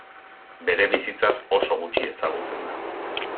Bere bizitzaz oso gutxi ezagutzen da.